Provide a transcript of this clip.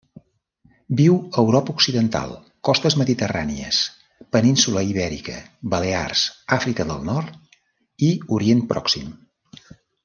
Viu a Europa Occidental, costes mediterrànies, península Ibèrica, Balears, Àfrica del Nord i Orient Pròxim.